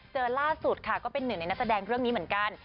ล่าสุดค่ะก็เป็นหนึ่งในนักแสดงเรื่องนี้เหมือนกัน